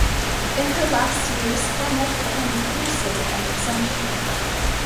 In her last years Barnett became reclusive and eccentric.